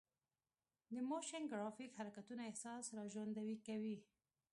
د موشن ګرافیک حرکتونه احساس راژوندي کوي.